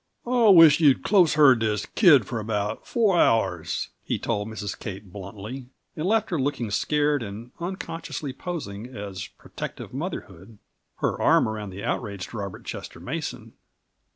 "I wish you'd close herd this kid for about four hours," he told Mrs. Kate bluntly, and left her looking scared and unconsciously posing as protective motherhood, her arm around the outraged Robert Chester Mason.